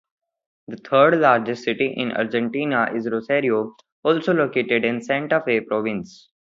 The third largest city in Argentina is Rosario, also located in Santa Fe Province.